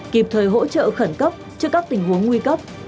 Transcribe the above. kịp thời hỗ trợ khẩn cấp trước các tình huống nguy cấp